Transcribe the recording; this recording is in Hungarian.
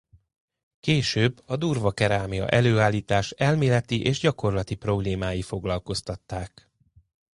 Később a durvakerámia-előállítás elméleti és gyakorlati problémái foglalkoztatták.